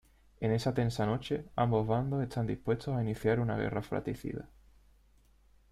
En esa tensa noche, ambos bandos están dispuestos a iniciar una guerra fratricida.